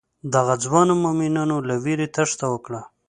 دغو ځوانو مومنانو له وېرې تېښته وکړه.